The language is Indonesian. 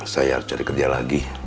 saya cari kerja lagi